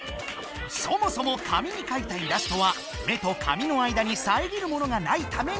そもそも紙にかいたイラストは目と紙の間にさえぎるものがないため見えていた。